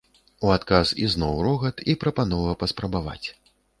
У адказ ізноў рогат і прапанова паспрабаваць.